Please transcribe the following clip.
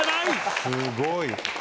すごい。